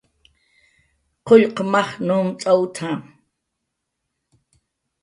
"Qullq maj nujmt'awt""a"